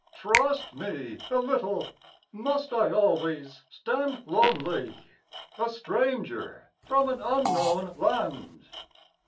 Trust me a little. Must I always stand Lonely, a stranger from an unknown land?